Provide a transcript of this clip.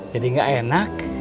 jadi gak enak